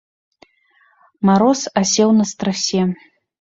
Мароз асеў на страсе.